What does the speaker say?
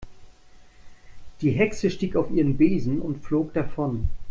Die Hexe stieg auf ihren Besen und flog davon.